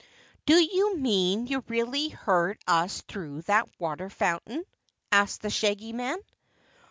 "Do you mean you really heard us through that water fountain?" asked the Shaggy Man.